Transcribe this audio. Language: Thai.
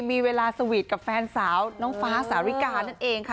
มีเวลาสวีทกับแฟนสาวน้องฟ้าสาริกานั่นเองค่ะ